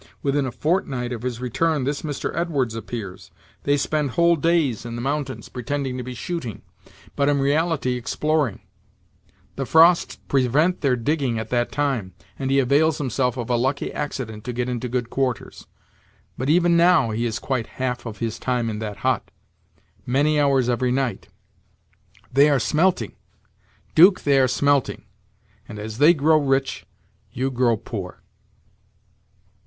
Within a fortnight of his return, this Mr. Edwards appears. They spend whole days in the mountains, pretending to be shooting, but in reality exploring; the frosts prevent their digging at that time, and he avails himself of a lucky accident to get into good quarters. But even now, he is quite half of his time in that hut many hours every night. They are smelting, 'Duke they are smelting, and as they grow rich, you grow poor."